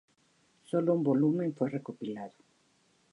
Sólo un volumen fue recopilado.